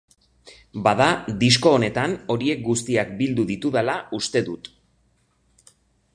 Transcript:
Bada, disko honetan, horiek guztiak bildu ditudala uste dut.